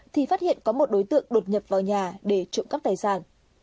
thì phát hiện có một đối tượng đột nhập vào nhà để trộm cắp tài sản